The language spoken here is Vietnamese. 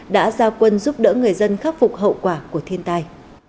đã ra quân giúp đỡ người dân khắc phục hậu quả của thiên tai